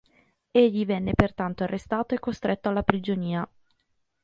Egli venne pertanto arrestato e costretto alla prigionia.